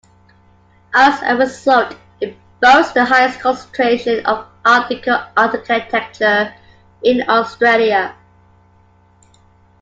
As a result, it boasts the highest concentration of Art Deco architecture in Australia.